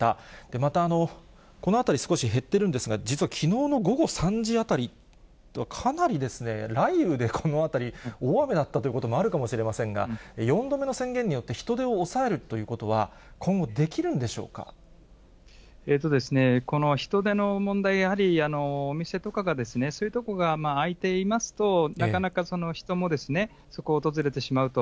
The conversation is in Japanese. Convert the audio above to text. また、この辺り少し減ってるんですが、実はきのうの午後３時あたり、かなり雷雨でこの辺り、大雨だったということもあるかもしれませんが、４度目の宣言によって、人出を抑えるということは、今後、この人出の問題、やはりお店とかがそういうところが開いていますと、なかなか人もそこを訪れてしまうと。